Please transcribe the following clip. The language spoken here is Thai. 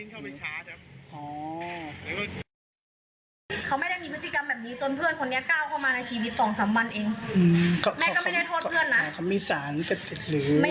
แต่ว่าไอ้เพื่อนแบ๊งก็ต่อยแฟนแม่ไม่เลิก